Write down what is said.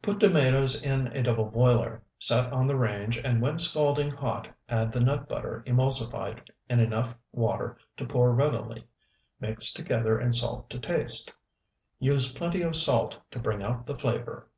Put tomatoes in double boiler, set on the range, and when scalding hot add the nut butter emulsified in enough water to pour readily, mix together and salt to taste. Use plenty of salt to bring out the flavor.